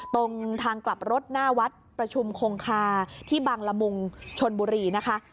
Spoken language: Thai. ตรงทางกลับรถหน้าวัดประชุมคงคาที่บังละมุงชนบุรีนะคะ